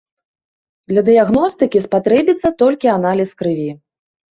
Для дыягностыкі спатрэбіцца толькі аналіз крыві.